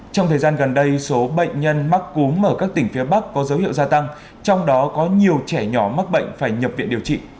trong thời gian gần đây số bệnh nhân mắc cúm ở các tỉnh phía bắc có dấu hiệu gia tăng trong đó có nhiều trẻ nhỏ mắc bệnh phải nhập viện điều trị